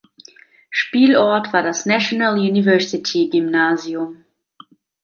Spielort war das National University Gymnasium.